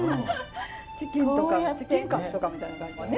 チキンとかのチキンカツとかみたいな感じよね。